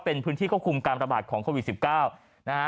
เป็นพื้นที่ควบคุมการระบาดของโควิด๑๙นะฮะ